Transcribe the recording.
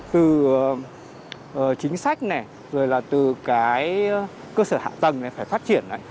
từ chính sách này rồi là từ cái cơ sở hạ tầng này phải phát triển